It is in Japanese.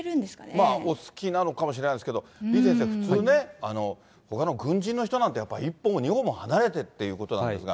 まあお好きなのかもしれないですけど、李先生、普通ね、ほかの軍人の人たちなんて、やっぱり、１歩も２歩も離れてということなんですが。